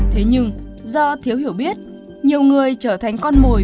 thế nhưng do thiếu hiểu biết nhiều người trở thành con mồi